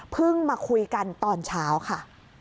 มาคุยกันตอนเช้าค่ะ